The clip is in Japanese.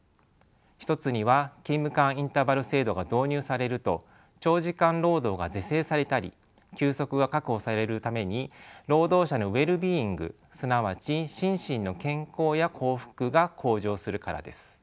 一つには勤務間インターバル制度が導入されると長時間労働が是正されたり休息が確保されるために労働者のウェルビーイングがすなわち心身の健康や幸福が向上するからです。